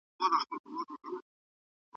سياستپوهنه يوازي يو نظري علم نه دی.